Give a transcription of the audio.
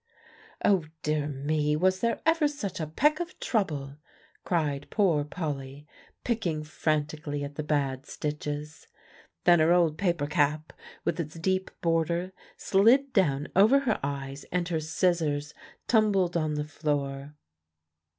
"Oh, dear me, was there ever such a peck of trouble!" cried poor Polly, picking frantically at the bad stitches. Then her old paper cap, with its deep border, slid down over her eyes, and her scissors tumbled on the floor.